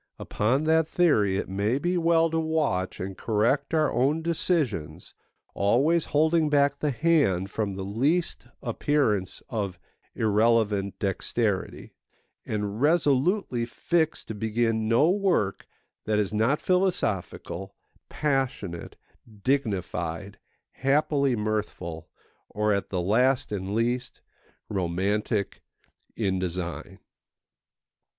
Upon that theory it may be well to watch and correct our own decisions, always holding back the hand from the least appearance of irrelevant dexterity, and resolutely fixed to begin no work that is not philosophical, passionate, dignified, happily mirthful, or, at the last and least, romantic in design.